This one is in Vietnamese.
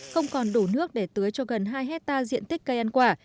không còn đủ nước để tưới cho gần hai hectare diện tích cây ăn quả